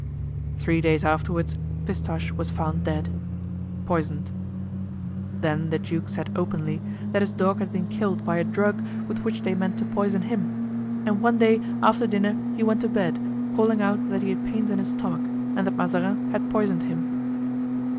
Three days afterward Pistache was found dead—poisoned. Then the duke said openly that his dog had been killed by a drug with which they meant to poison him; and one day after dinner he went to bed, calling out that he had pains in his stomach and that Mazarin had poisoned him.